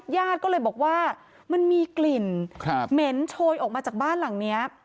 ญาติก็เลยบอกว่ามันมีกลิ่นเหม็นโชยออกมาจากบ้านหลังนี้